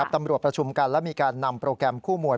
ตำรวจประชุมกันและมีการนำโปรแกรมคู่มวย